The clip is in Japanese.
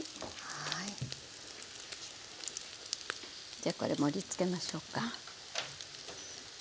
じゃこれ盛りつけましょうか。